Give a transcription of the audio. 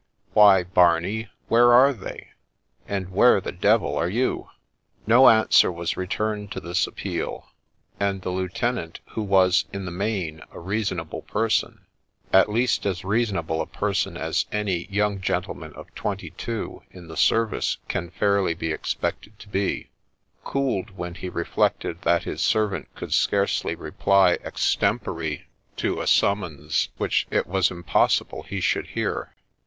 Why, Barney, where are they ?— and where the d — 1 are you ?' No answer was returned to this appeal ; and the lieutenant, who was, in the main, a reasonable person, — at least as reason able a person as any young gentleman of twenty two in ' the service ' can fairly be expected to be, — cooled when he reflected that his servant could scarcely reply extempore to a summons which it was impossible he should hear.